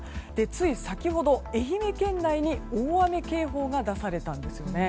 つい先ほど、愛媛県内に大雨警報が出されたんです。